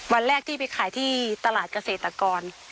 วันแรกที่ไปขายที่ตลาดเกษตรกร